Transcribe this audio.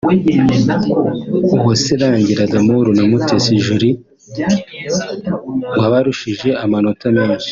Uwase Rangira D’Amour na Mutesi Jolly wabarushije amanota menshi